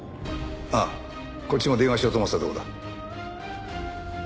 ああこっちも電話しようと思ってたとこだ。